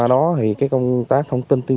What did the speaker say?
đấy là lĩnh lý à